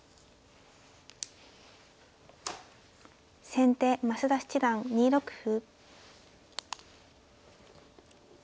先手増田七段２六歩。